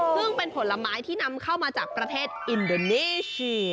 ซึ่งเป็นผลไม้ที่นำเข้ามาจากประเทศอินโดนีชี